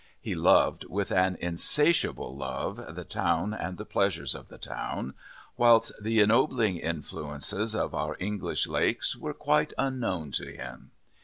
He loved with an insatiable love the town and the pleasures of the town, whilst the ennobling influences of our English lakes were quite unknown to him.